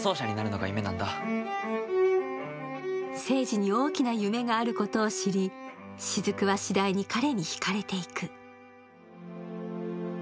聖司に大きな夢があることを知り、雫はしだいに彼にひかれていく。